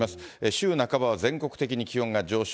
週半ばは全国的に気温が上昇。